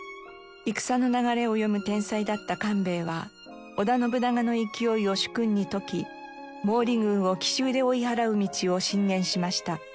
戦の流れを読む天才だった官兵衛は織田信長の勢いを主君に説き毛利軍を奇襲で追い払う道を進言しました。